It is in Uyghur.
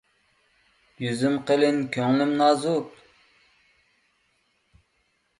يۈزۈم قېلىن، كۆڭلۈم نازۇك.